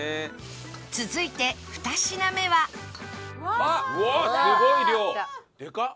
続いて２品目はでかっ！